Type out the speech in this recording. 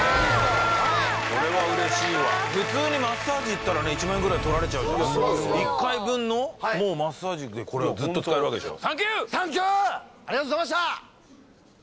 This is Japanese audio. これは嬉しいわ普通にマッサージ行ったら１万円ぐらい取られちゃう１回分のマッサージでこれがずっと使えるわけでしょ